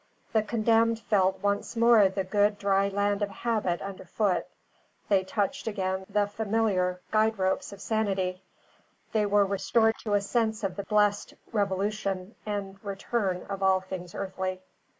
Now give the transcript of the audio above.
The condemned felt once more the good dry land of habit under foot; they touched again the familiar guide ropes of sanity; they were restored to a sense of the blessed revolution and return of all things earthly.